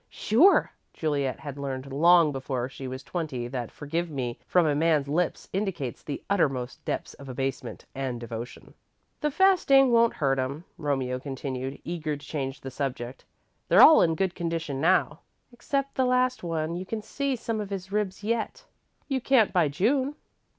"Sure!" Juliet had learned long before she was twenty, that "forgive me," from a man's lips, indicates the uttermost depths of abasement and devotion. "The fasting won't hurt 'em," Romeo continued, eager to change the subject. "They're all in good condition now." "Except the last one. You can see some of his ribs yet." "You can't by June."